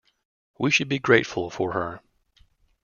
We should be grateful for her.